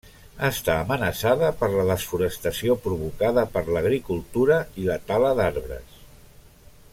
Està amenaçada per la desforestació provocada per l'agricultura i la tala d'arbres.